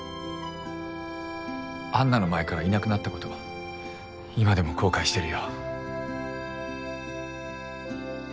安奈の前からいなくなったこと今でも後悔してるよ。